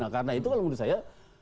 karena itu kalau menurut saya